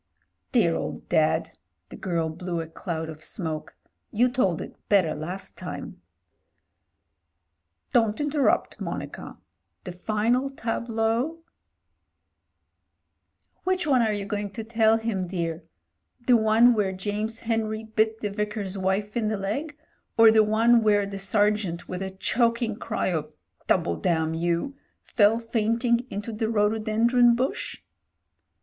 "Dear old Dad !" The girl blew a cloud of smoke. "You told it better last time." "Don't interrupt, Monica. The final tableau " "Which one are you going to tell him, dear? The one where James Henry bit the Vicar's wife in the leg, or the one where the sergeant with a choking cry of 'Double, damn you I' fell fainting into the rhodo dendron bush